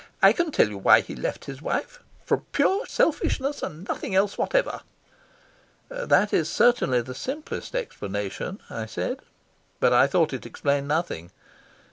"I can tell you why he left his wife from pure selfishness and nothing else whatever." "That is certainly the simplest explanation," I said. But I thought it explained nothing.